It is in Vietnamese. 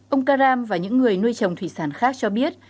ông karam và những người nuôi trồng thủy sản khác cho biết